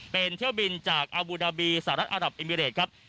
เป็นเที่ยวบินจากอาบูดาบีสหรัฐอารับเอมิเรตครับ